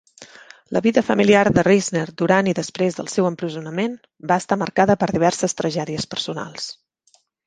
La vida familiar de Risner durant i després del seu empresonament va estar marcada per diverses tragèdies personals.